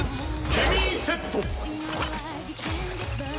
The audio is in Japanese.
「ケミーセット！」